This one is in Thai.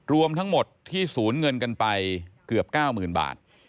รวมทั้งหมดที่ศูนย์เงินกันไปเกือบ๙๐๐๐บาท